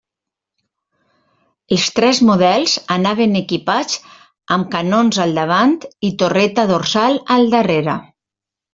Els tres models anaven equipats amb canons al davant i torreta dorsal al darrere.